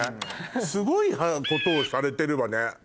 すごいことをされてるわね。